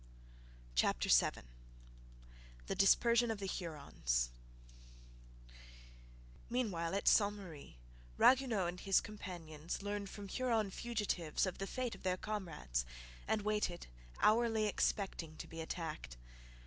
CHAPTER VII THE DISPERSION OF THE HURONS Meanwhile at Ste Marie Ragueneau and his companions learned from Huron fugitives of the fate of their comrades; and waited, hourly expecting to be attacked.